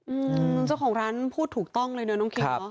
อืมเจ้าของร้านพูดถูกต้องเลยนะน้องคิงเนอ